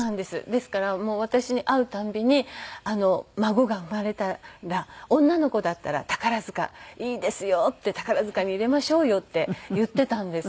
ですから私に会う度に孫が生まれたら女の子だったら「宝塚いいですよ」って「宝塚に入れましょうよ」って言っていたんです。